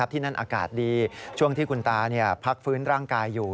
ที่นั่นอากาศดีช่วงที่คุณตาพักฟื้นร่างกายอยู่